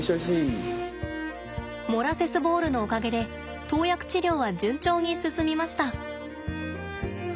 モラセスボールのおかげで投薬治療は順調に進みました。